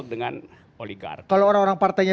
dengan oligar kalau orang orang partainya